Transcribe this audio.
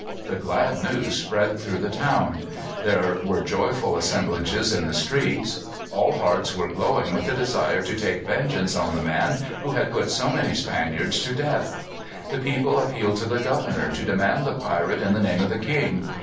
The glad news spread through the town. There were joyful assemblages in the streets. All hearts were glowing with the desire to take vengeance on the man who had put so many Spaniards to death. The people appealed to the governor to demand the pirate in the name of the king.